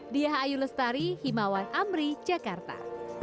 diah ayu lestari himawan amri jakarta